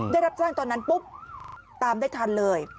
ได้รับแจ้งตอนนั้นปุ๊บตามได้ทันเลย